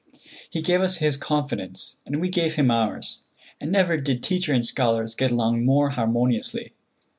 He gave us his confidence, and we gave him ours, and never did teacher and scholars get along more harmoniously.